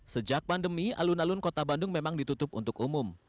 sejak pandemi alun alun kota bandung memang ditutup untuk umum